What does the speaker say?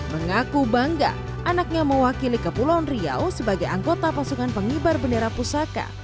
mengaku bangga anaknya mewakili kepulauan riau sebagai anggota pasukan pengibar bendera pusaka